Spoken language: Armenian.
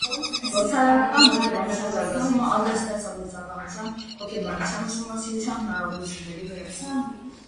Փորձարարական հոգեբանության զարգացումը ազդեց ստեղծագործականության հոգեբանության ուսումնասիրության հնարավորությունների վրա։